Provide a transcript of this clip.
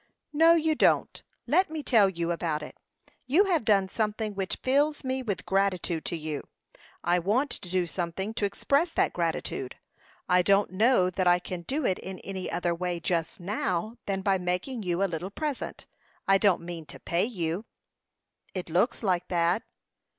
"No, you don't. Let me tell you about it. You have done something which fills me with gratitude to you. I want to do something to express that gratitude. I don't know that I can do it in any other way just now than by making you a little present. I don't mean to pay you." "It looks like that."